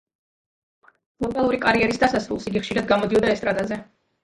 ვოკალური კარიერის დასარულს იგი ხშირად გამოდიოდა ესტრადაზე.